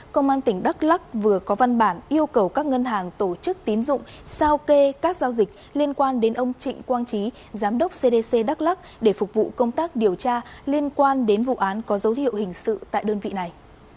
công an tỉnh đắk lắc vừa có văn bản yêu cầu các ngân hàng tổ chức tín dụng sao kê các giao dịch liên quan đến ông trịnh quang trí giám đốc cdc đắk lắc để phục vụ công tác điều tra liên quan đến vụ án có dấu hiệu hình sự tại đơn vị này